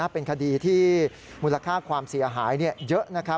เป็นคดีที่มูลค่าความเสียหายเยอะ